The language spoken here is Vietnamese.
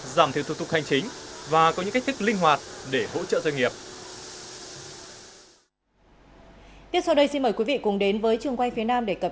giảm thiếu thuật thuộc hành chính và có những cách thức linh hoạt để hỗ trợ doanh nghiệp